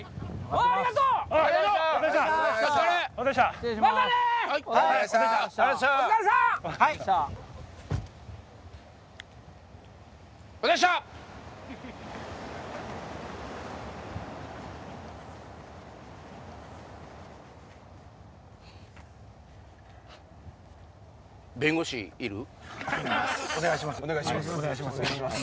お願いします。